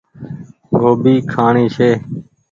گوڀي کآڻي ڇي۔